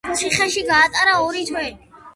ციხეში გაატარა ორი თვე.